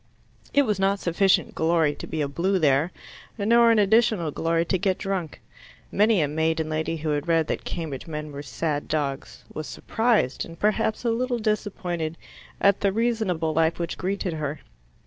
It was not sufficient glory to be a Blue there, nor an additional glory to get drunk. Many a maiden lady who had read that Cambridge men were sad dogs, was surprised and perhaps a little disappointed at the reasonable life which greeted her.